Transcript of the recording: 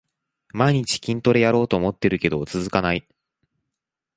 毎日筋トレやろうと思ってるけど続かない